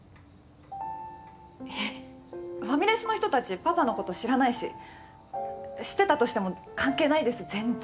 ファミレスの人たちパパのこと知らないし知ってたとしても関係ないです、全然。